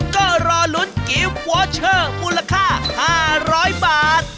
ก็รอลุ้นกิฟต์วอเชอร์มูลค่า๕๐๐บาท